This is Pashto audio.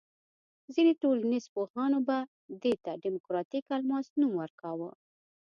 ځینې ټولنیز پوهانو به دې ته دیموکراتیک الماس نوم ورکاوه.